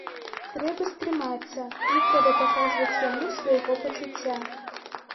Трэба стрымацца, не трэба паказваць яму свайго пачуцця.